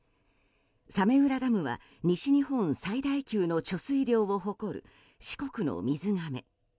早明浦ダムは西日本最大級の貯水量を誇る四国の水がめ。